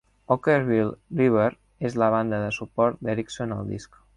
Okkervil River és la banda de suport d'Erikson al disc.